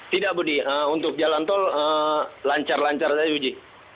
tidak budi untuk jalan tol lancar lancar saja budi